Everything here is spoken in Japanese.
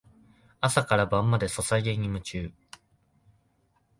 朝から晩までソシャゲに夢中